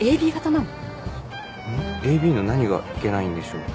ＡＢの何がいけないんでしょう。